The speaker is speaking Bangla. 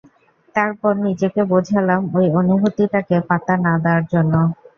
তারপর নিজেকে বোঝালাম, ঐ অনুভূতিটাকে পাত্তা না দেয়ার জন্য।